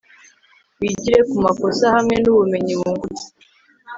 wigire kumakosa hamwe nubumenyi wungutse